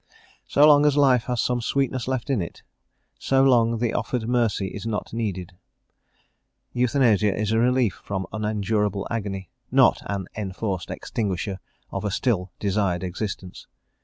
So long as life has some sweetness left in it, so long the offered mercy is not needed; euthanasia is a relief from unendurable agony, not an enforced extinguisher of a still desired existence.